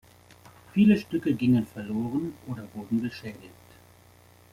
Viele Stücke gingen verloren oder wurden beschädigt.